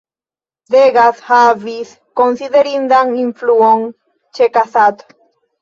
Degas havis konsiderindan influon ĉe Cassatt.